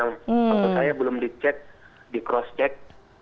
untuk saya belum di cross check